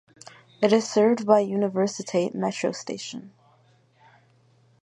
It is served by Universitate metro station.